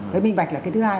cái minh bạch là thứ hai